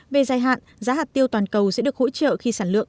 về dài hạn giá hạt tiêu toàn cầu sẽ được hỗ trợ khi sản lượng